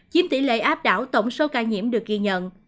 chiếm tỷ lệ áp đảo tổng số ca nhiễm được ghi nhận